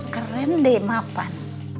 keren deh mapan